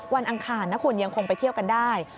อังคารนะคุณยังคงไปเที่ยวกันได้